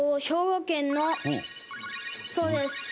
兵庫県のそうです。